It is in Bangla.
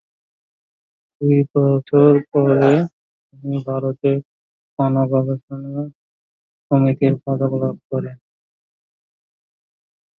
দুই বছর পরে তিনি ভারতের কণা গবেষণা সমিতির পদক লাভ করেন।